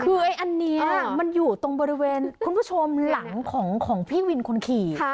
คือไอ้อันนี้มันอยู่ตรงบริเวณคุณผู้ชมหลังของพี่วินคนขี่